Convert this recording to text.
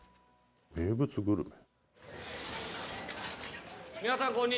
名物グルメ？